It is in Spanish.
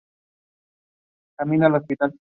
Por ello continua trabajando en su obra literaria.